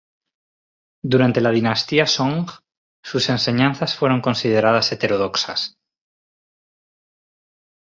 Durante la dinastía Song sus enseñanzas fueron consideradas heterodoxas.